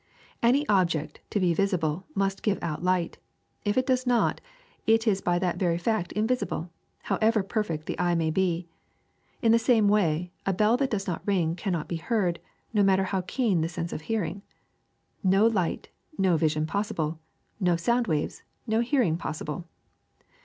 Any object, to be visible, must give out light. If it does not, it is by that very fact invisible, however perfect the eye may be. In the same way, a bell that does not ring cannot be heard, no matter how keen the sense of hearing. No light, no vision possible; no sound waves, no hearing possible.